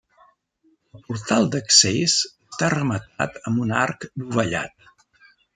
El portal d'accés està rematat amb un arc dovellat.